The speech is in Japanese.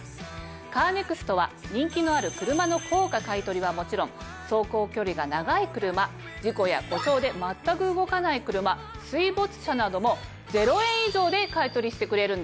カーネクストは人気のある車の高価買い取りはもちろん走行距離が長い車事故や故障で全く動かない車水没車なども０円以上で買い取りしてくれるんです。